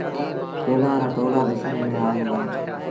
ٽولآن رآ ٽولآ ڏسڻ ميݩ ائيٚݩ دآ۔